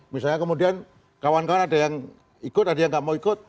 misalnya kemudian kawan kawan ada yang ikut ada yang nggak mau ikut